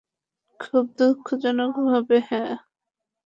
খুব দুঃখজনকভাবে, হ্যাঁ।